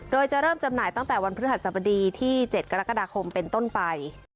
โดยจะเริ่มจำหน่ายตั้งแต่วันพฤหัสบดีที่๗กรกฎาคมเป็นต้นไป